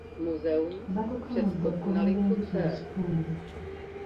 Batutumudde okulunda enjuki mu kitundu .